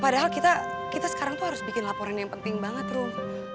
padahal kita sekarang tuh harus bikin laporan yang penting banget rum